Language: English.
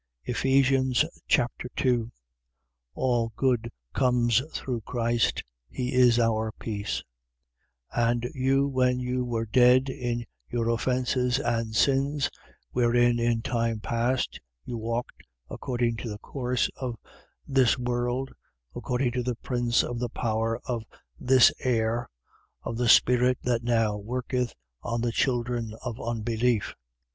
Ephesians Chapter 2 All our good comes through Christ. He is our peace. 2:1. And you, when you were dead in your offences and sins, 2:2. Wherein in time past you walked according to the course of this world, according to the prince of the power of this air, of the spirit that now worketh on the children of unbelief: 2:3.